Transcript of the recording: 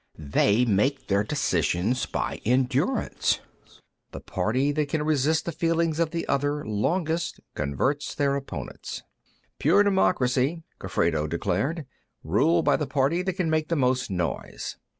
"They make their decisions by endurance; the party that can resist the feelings of the other longest converts their opponents." "Pure democracy," Gofredo declared. "Rule by the party that can make the most noise."